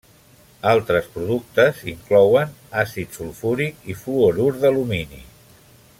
Altres productes inclouen àcid sulfúric i fluorur d'alumini.